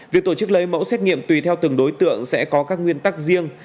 việc tổ chức lấy mẫu xét nghiệm tùy theo từng đối tượng sẽ có các nguyên tắc riêng